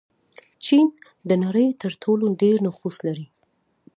چین د نړۍ تر ټولو ډېر نفوس لري.